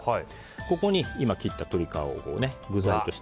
ここに今切った鶏皮を具材として。